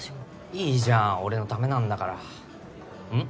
いいじゃん俺のためなんだからうん？